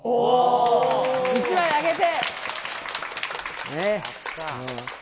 １枚あげて。